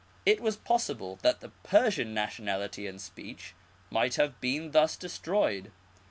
It was possible that the Persian nationality and speech might have been thus destroyed.